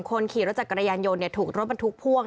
คนขี่รถจากกระยานย้อนถูกรถบนทุกข์พ่วง